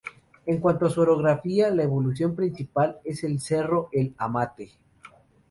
En cuanto a su orografía la elevación principal es el Cerro El Amate.